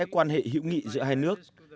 quan hệ hữu nghị giữa hai nước